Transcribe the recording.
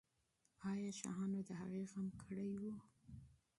آیا شاهانو د هغې غم کړی و؟